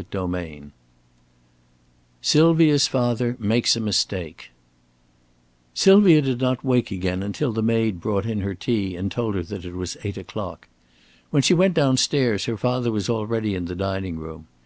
CHAPTER XI SYLVIA'S FATHER MAKES A MISTAKE Sylvia did not wake again until the maid brought in her tea and told her that it was eight o'clock. When she went down stairs, her father was already in the dining room.